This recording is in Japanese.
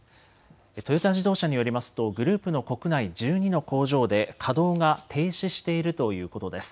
トヨタ自動車によりますとグループの国内１２の工場で稼働が停止しているということです。